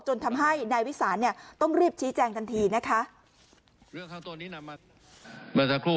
จนทำให้นายวิสานเนี่ยต้องรีบชี้แจงทันทีนะคะ